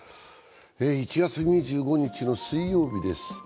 １月２５日の水曜日です。